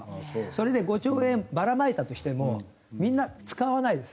それで５兆円ばらまいたとしてもみんな使わないです。